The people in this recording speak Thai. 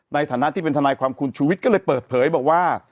ในฐานะที่เป็นทนายความคุณชูวิทย์ก็เลยเปิดเผยบอกว่า